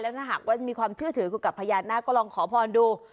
แล้วหากว่ามีความเชื่อถือคุณกับพยานนะก็ลองขอพรดู